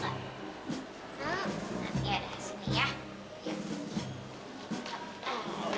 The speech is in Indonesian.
nanti ada di sini ya